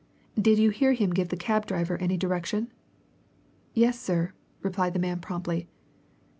"Did you hear him give the cab driver any direction?" "Yes, sir," replied the man promptly.